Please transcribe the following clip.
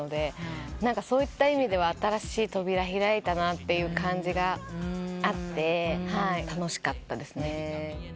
そういった意味では新しい扉開いたなって感じがあって楽しかったですね。